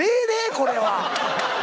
これは。